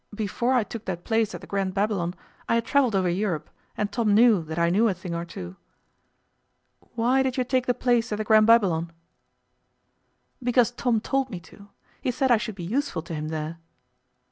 Before I took that place at the Grand Babylon I had travelled over Europe, and Tom knew that I knew a thing or two.' 'Why did you take the place at the Grand Babylon?' 'Because Tom told me to. He said I should be useful to him there.